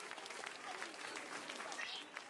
Se puede elaborar con carne de toro o vegetales.